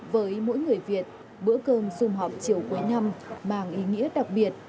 với mỗi người việt bữa cơm xung họp chiều cuối năm mang ý nghĩa đặc biệt